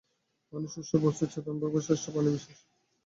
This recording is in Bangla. মানুষ সৃষ্ট বস্তুর চেতনভাগের শ্রেষ্ঠ প্রাণিবিশেষ।